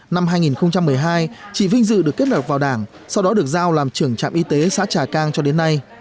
năm hai nghìn một mươi hai chị vinh dự được kết nạp vào đảng sau đó được giao làm trưởng trạm y tế xã trà cang cho đến nay